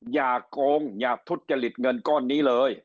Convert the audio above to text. อย่าโกงอย่าทุจริตเงินก้อนนี้เลย